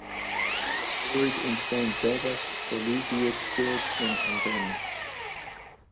She was buried in Saint Begga's Collegiate Church in Andenne.